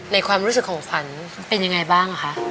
ความรู้สึกของขวัญเป็นยังไงบ้างคะ